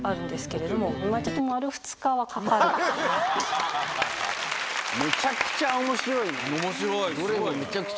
どれもめちゃくちゃ面白い。